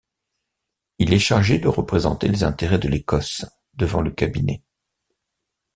Il est chargé de représenter les intérêts de l’Écosse devant le Cabinet.